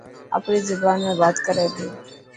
آپري زبان ۾ بات ڪري پيو.